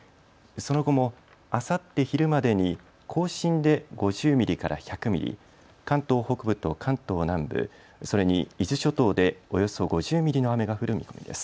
その後もあさって昼までに甲信で５０ミリから１００ミリ、関東北部と関東南部、それに伊豆諸島でおよそ５０ミリの雨が降る見込みです。